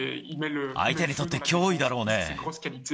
相手にとって脅威だろうね。